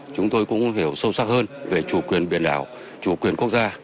chúng tôi cũng hiểu sâu sắc hơn về chủ quyền biển đảo chủ quyền quốc gia